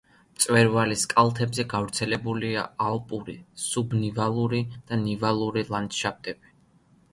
მწვერვალის კალთებზე გავრცელებულია ალპური, სუბნივალური და ნივალური ლანდშაფტები.